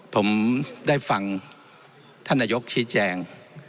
ผมได้ฟังท่านนายกชี้แจง